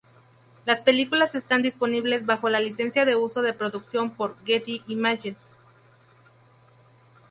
Las películas están disponibles bajo la licencia de uso de producción por Getty Images.